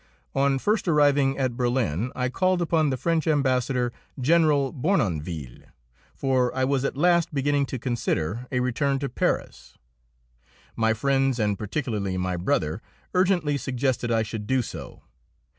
On first arriving at Berlin I called upon the French Ambassador, General Bournonville, for I was at last beginning to consider a return to Paris. My friends, and particularly my brother, urgently suggested I should do so.